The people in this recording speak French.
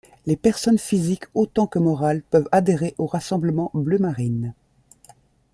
Les personnes physiques autant que morales peuvent adhérer au Rassemblement bleu Marine.